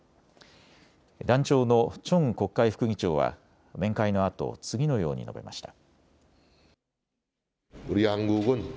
団長のチョン国会副議長は面会のあと次のように述べました。